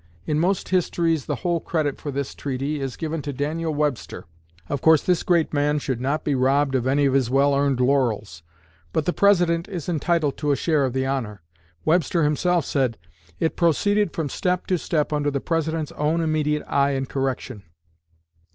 In most histories the whole credit for this treaty is given to Daniel Webster. Of course this great man should not be robbed of any of his well earned laurels; but the President is entitled to a share of the honor. Webster himself said: "It proceeded from step to step under the President's own immediate eye and correction."